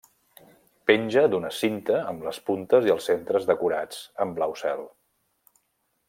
Penja d'una cinta amb les puntes i el centre decorats en blau cel.